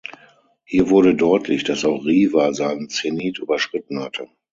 Hier wurde deutlich, dass auch Riva seinen Zenit überschritten hatte.